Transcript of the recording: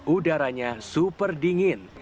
udaranya super dingin